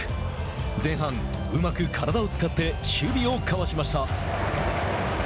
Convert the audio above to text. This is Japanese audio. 前半うまく体を使って守備をかわしました。